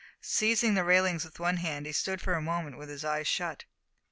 Seizing the railings with one hand, he stood for a moment with his eyes shut.